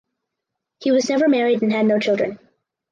He was never married and had no children.